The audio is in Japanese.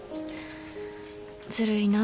ずるいな。